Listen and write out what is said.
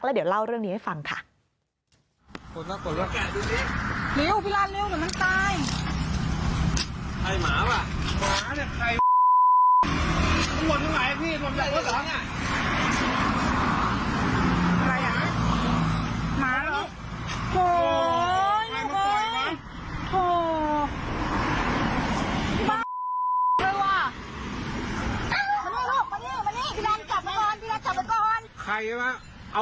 เดี๋ยวเล่าเรื่องนี้ให้ฟังค่ะ